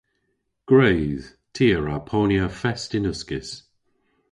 Gwredh. Ty a wra ponya fest yn uskis.